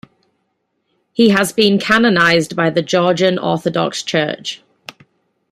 He has been canonized by the Georgian Orthodox Church.